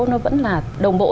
nó vẫn là đồng bộ